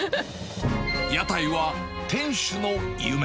屋台は店主の夢。